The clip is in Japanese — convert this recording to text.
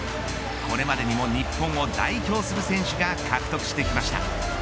これまでにも日本を代表する選手が獲得してきました。